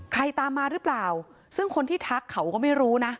ตามมาหรือเปล่าซึ่งคนที่ทักเขาก็ไม่รู้นะ